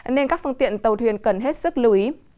nên các phương tiện tàu thuyền cần hết sức lưu ý